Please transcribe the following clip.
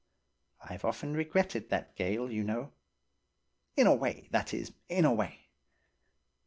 I've often regretted that gale, you know–in a way, that is, in a way.